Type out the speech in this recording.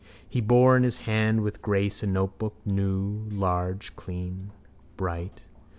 He bore in his hand with grace a notebook, new, large, clean, bright.